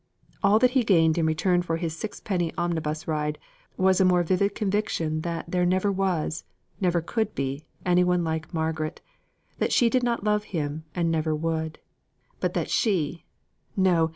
All that he gained for his sixpenny omnibus ride, was a more vivid conviction that there never was, never could be, any one like Margaret; that she did not love him and never would; but that she no!